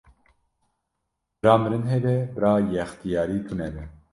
Bira mirin hebe bira yextiyarî tunebe